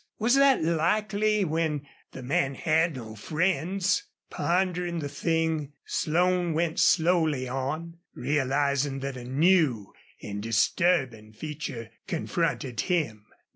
Was that likely when the man had no friends? Pondering the thing, Slone went slowly on, realizing that a new and disturbing feature confronted him.